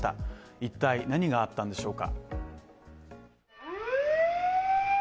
いったい何があったんでしょうか